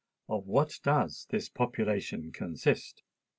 Of what does this population consist?